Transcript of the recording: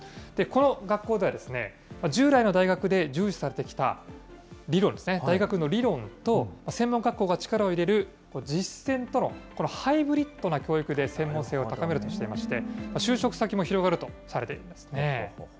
この学校ではですね、従来の大学で重視されてきた理論ですね、大学の理論と、専門学校が力を入れる実践とのハイブリットな教育で、専門性を高めるとしていまして、就職先も広がるとされているんですね。